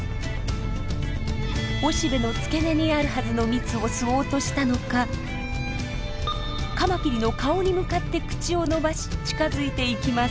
雄しべの付け根にあるはずの蜜を吸おうとしたのかカマキリの顔に向かって口を伸ばし近づいていきます。